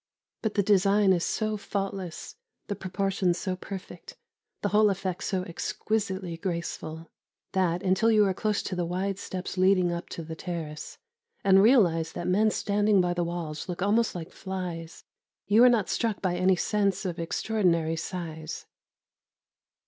But the design is so faultless, the proportions so perfect, the whole effect so exquisitely graceful, that, until you are close to the wide steps leading up to the terrace, and realise that men standing by the walls look almost like flies, you are not struck by any sense of extraordinary size.